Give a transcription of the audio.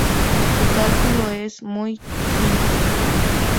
Su cálculo es muy simple.